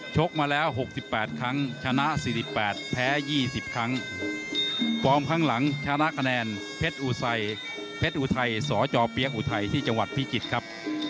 กมาแล้ว๖๘ครั้งชนะ๔๘แพ้๒๐ครั้งฟอร์มข้างหลังชนะคะแนนเพชรอุไสเพชรอุทัยสจเปี๊ยกอุทัยที่จังหวัดพิจิตรครับ